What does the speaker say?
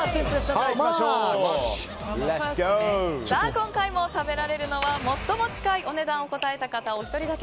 今回も食べられるのは最も近いお値段を答えたお一人。